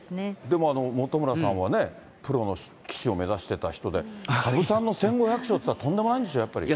でも、本村さんはね、プロの棋士を目指してた人で、羽生さんの１５００勝といったらとんでもないんでしょ、やっぱり。